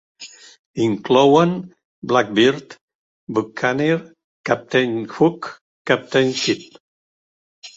Inclouen "Blackbeard", "Buccaneer", "Captain Hook", "Captain Kidd.